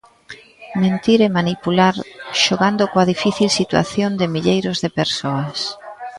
Mentir e manipular, xogando coa difícil situación de milleiros de persoas.